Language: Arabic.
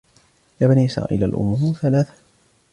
يَا بَنِي إسْرَائِيلَ الْأُمُورُ ثَلَاثَةٌ